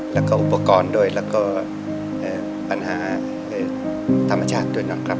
แลาะอุปกรณ์ต่อด้วยและปัญหาธรรมชาตินั่นออกครับ